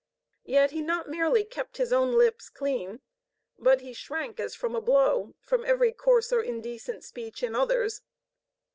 Yet he not merely kept his own lips" clean, but he shrank, as from a blow, from every coarse or indecent speech in others.